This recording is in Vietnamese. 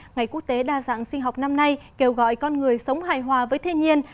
ngày quốc tế đa dạng sinh học năm nay kêu gọi con người sống hài hòa với thiên nhiên